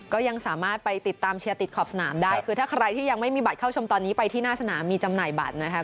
ก็ยังสามารถไปติดตามเชียร์ติดขอบสนามได้คือถ้าใครที่ยังไม่มีบัตรเข้าชมตอนนี้ไปที่หน้าสนามมีจำหน่ายบัตรนะคะ